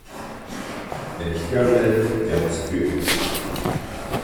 Wer nicht hören will, der muss fühlen.